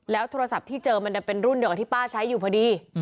โทรศัพท์ที่เจอมันจะเป็นรุ่นเดียวกับที่ป้าใช้อยู่พอดี